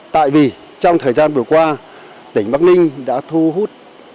tại vì trong thời gian vừa qua tỉnh bắc ninh đã thu hút